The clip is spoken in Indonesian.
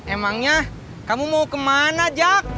emangnya kamu mau kemana jak